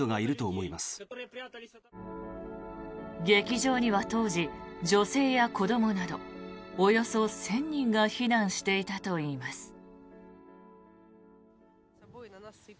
劇場には当時女性や子どもなどおよそ１０００人が避難していたといいます。